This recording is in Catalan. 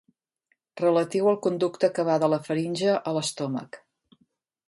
Relatiu al conducte que va de la faringe a l'estómac.